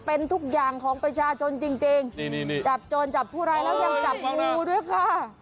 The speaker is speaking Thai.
เป็นทุกอย่างของประชาชนจริงนี่จับโจรจับผู้ร้ายแล้วยังจับงูด้วยค่ะ